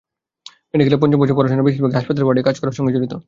মেডিকেলের পঞ্চম বর্ষের পড়াশোনা বেশির ভাগই হাসপাতালের ওয়ার্ডে কাজ করার সঙ্গে জড়িত।